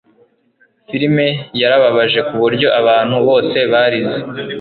Filime yarababaje kuburyo abantu bose barize